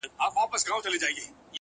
• د غيږي د خوشبو وږم له مياشتو حيسيږي ـ